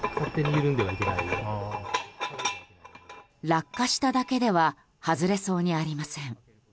落下しただけでは外れそうにありません。